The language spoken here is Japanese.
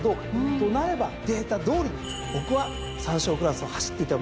となればデータどおりに僕は３勝クラスを走っていた馬からいきます。